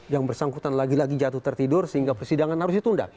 yang bersangkutan lagi lagi jatuh tertidur sehingga persidangan harus ditunda